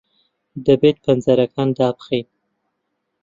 دەبێت پەنجەرەکان دابخەین.